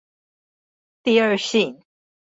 第二性